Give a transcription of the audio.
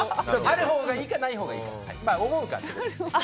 あるほうがいいかないほうがいいか。